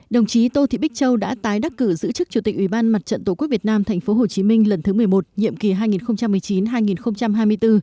đồng chí tô thị bích châu đã tái đắc cử giữ chức chủ tịch ủy ban mặt trận tổ quốc việt nam tp hcm lần thứ một mươi một nhiệm kỳ hai nghìn một mươi chín hai nghìn hai mươi bốn